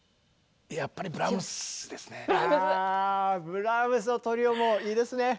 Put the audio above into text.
ブラームスのトリオもいいですね！